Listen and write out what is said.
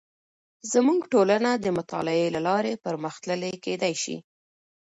زموږ ټولنه د مطالعې له لارې پرمختللې کیدې شي.